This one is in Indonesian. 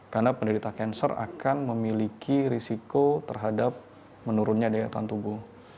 karena penderita cancer akan memiliki risiko terhadap menurunnya daya tahan tubuh